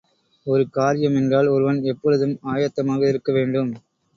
ஒரு காரியம் என்றால் ஒருவன் எப்பொழுதும் ஆயத்தமாக இருக்கவேண்டும்.